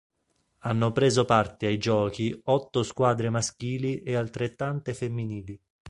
Hanno preso parte ai Giochi otto squadre maschili e altrettante femminili.